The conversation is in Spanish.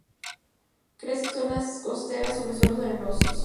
Crece en zonas costeras sobre suelos arenosos.